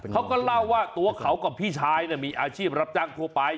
เขาก็เล่าว่าตัวเขากับพี่ชายมีอาชีพรับจ้างทั่วไป